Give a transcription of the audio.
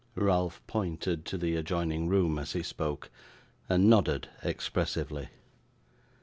Ralph pointed to the adjoining room as he spoke, and nodded expressively.